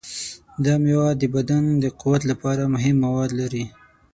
دا میوه د بدن د قوت لپاره مهم مواد لري.